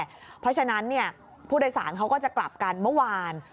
เพราะฉะนั้นผู้โดยสารเขาก็จะกลับกันเมื่อวาน